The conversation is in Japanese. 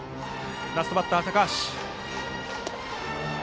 ラストバッターの高橋。